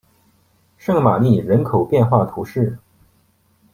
圣玛丽人口变化图示